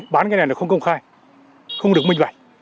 bán cái này là không công khai không được minh vạch